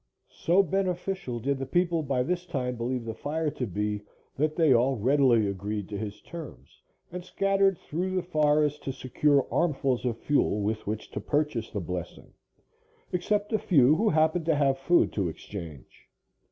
So beneficial did the people by this time believe the fire to be, that they all readily agreed to his terms, and scattered through the forest to secure armfuls of fuel with which to purchase the blessing, except a few who happened to have food to exchange.